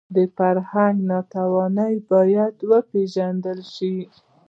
د فرهنګ ناتواني باید وپېژندل شي